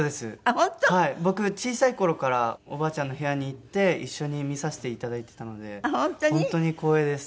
僕小さい頃からおばあちゃんの部屋に行って一緒に見させていただいていたので本当に光栄です。